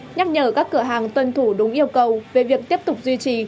nhắc nhở các cửa hàng tuân thủ đúng yêu cầu về việc tiếp tục duy trì